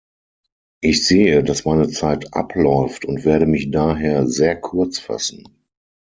Ich sehe, dass meine Zeit abläuft und werde mich daher sehr kurz fassen.